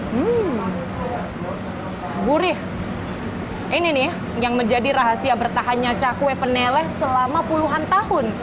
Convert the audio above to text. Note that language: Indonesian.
hmm gurih ini nih yang menjadi rahasia bertahannya cakwe peneleh selama puluhan tahun